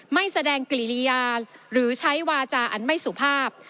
ไม่แสดงกิริยาหรือใช้วาจาอันไม่สุภาพ